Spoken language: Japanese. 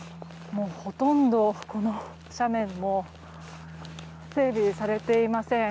ほとんどこの斜面も整備されていません。